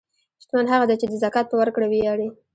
شتمن هغه دی چې د زکات په ورکړه ویاړي.